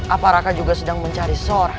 apa raka juga sedang mencari seseorang